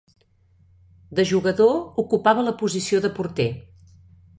De jugador ocupava la posició de porter.